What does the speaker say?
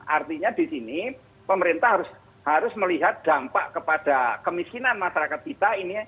artinya di sini pemerintah harus melihat dampak kepada kemiskinan masyarakat kita ini